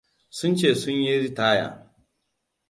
Sun ce sun yi ritaya.